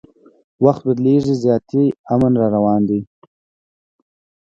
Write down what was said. وخت بدلیږي زیاتي امن راروان دي